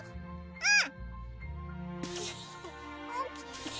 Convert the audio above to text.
うん！